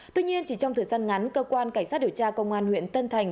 tuy nhiên chỉ trong thời gian ngắn cơ quan cảnh sát điều tra công an huyện tân thành